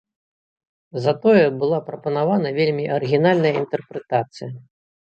Затое была прапанавана вельмі арыгінальная інтэрпрэтацыя.